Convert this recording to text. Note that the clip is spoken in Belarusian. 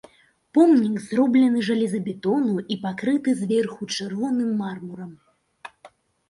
Помнік зроблены жалезабетону і пакрыты зверху чырвоным мармурам.